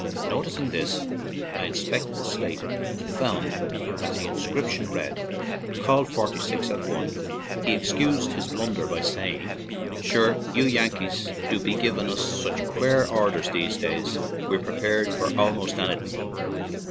Noticing this, I inspected the slate and found that the inscription read: 'Call 46 at I." He excused his blunder by saying :" Shure, you Yankees do be givin us sich quare orders these days, we're prepared for almost anny thin'."